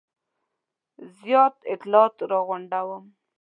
زیات اطلاعات را غونډوم.